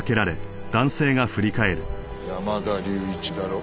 山田隆一だろ？